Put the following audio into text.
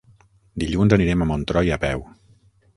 Dilluns anirem a Montroi a peu.